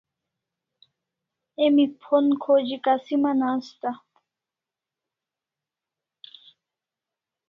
Emi phon khoji kasiman asta